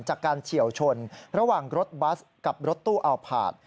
เฉียวชนระหว่างรถบัสกับรถตู้อัลพาร์ท